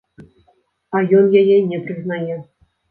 А ён яе не прызнае.